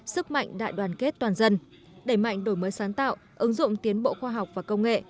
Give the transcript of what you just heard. sức mạnh đại đoàn kết toàn dân đẩy mạnh đổi mới sáng tạo ứng dụng tiến bộ khoa học và công nghệ